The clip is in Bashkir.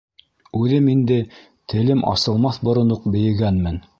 Үҙем инде телем асылмаҫ борон уҡ бейегәнмен.